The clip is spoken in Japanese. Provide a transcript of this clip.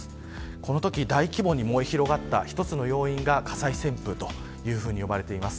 このとき大規模に燃え広がった一つの要因が火災旋風というふうにいわれています。